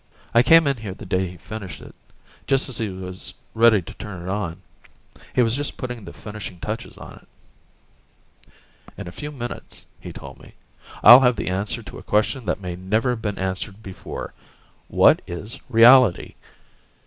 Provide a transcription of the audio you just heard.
I came in here the day he finished it, just as he was ready to turn it on. He was just putting the finishing touches on it. "In a few minutes," he told me, "I'll have the answer to a question that may never have been answered before: what is reality?